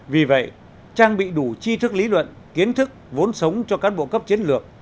vì vậy trang bị đủ chi thức lý luận kiến thức vốn sống cho cán bộ cấp chiến lược